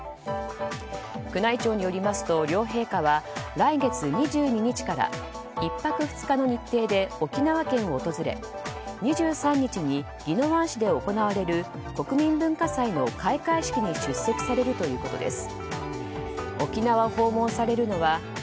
宮内庁によりますと両陛下は来月２２日から１泊２日の日程で沖縄県を訪れ２３日に宜野湾市で行われる国民文化祭の開会式に出席されるということです。